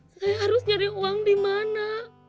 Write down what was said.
saya harus nyari uang di mana